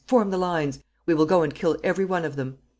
form the lines! We will go and kill every one of them."